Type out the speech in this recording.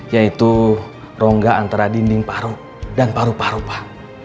yaitu rongga antara dinding paru dan paru paru pak